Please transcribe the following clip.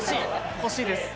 欲しいです。